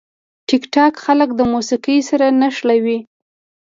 ټیکټاک خلک د موسیقي سره نښلوي.